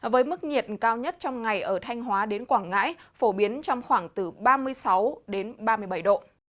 với mức nhiệt cao nhất trong ngày ở thanh hóa đến quảng ngãi phổ biến trong khoảng từ ba mươi sáu đến ba mươi bảy độ